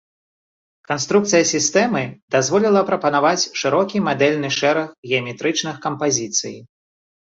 Канструкцыя сістэмы дазволіла прапанаваць шырокі мадэльны шэраг геаметрычных кампазіцый.